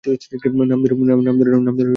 নাম ধরে ডাকলে যে তোমায়?